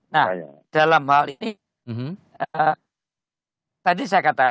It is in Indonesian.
nah dalam hal ini tadi saya katakan